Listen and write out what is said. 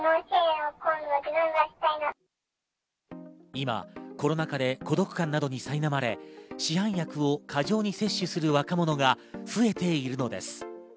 今、コロナ禍で孤独感などにさいなまれ、市販薬を過剰に摂取する若者が増えているのです。